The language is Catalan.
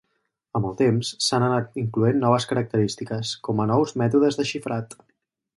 Amb el temps, s'han anat incloent noves característiques, com a nous mètodes de xifrat.